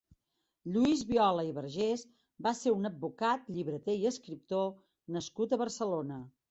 Lluís Viola i Vergés va ser un advocat, llibreter i escriptor nascut a Barcelona.